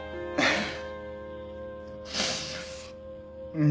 うん。